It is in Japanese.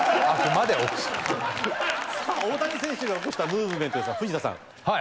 大谷選手が起こしたムーブメントですが藤田さん。